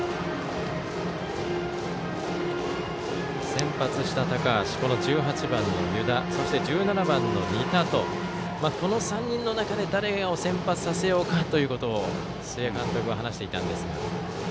先発した高橋、１８番の湯田そして１７番の仁田とこの３人の中で誰を先発させようかということを須江監督は話していたんですが。